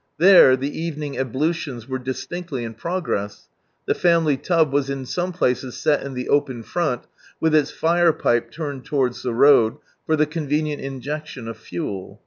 There the evening ablutions were distinctly in progress. The family tub was in »ome places set in the open front, with its fire pipe turned towards ihe road, for the convenient injection of fuel.